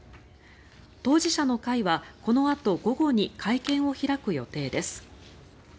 当事者の会はこのあと午後に会見を開く予定です。